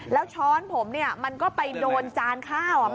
แล้วช้อนผมเนี่ยมันก็ไปโดนจานข้าว